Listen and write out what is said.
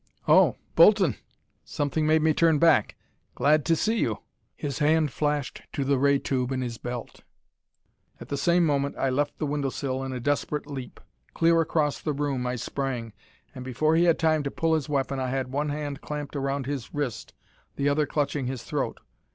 "Oh Bolton! Something made me turn back. Glad to see you." His hand flashed to the ray tube in his belt. At the same moment I left the window sill in a desperate leap. Clear across the room I sprang, and before he had time to pull his weapon I had one hand clamped around his wrist, the other clutching his throat.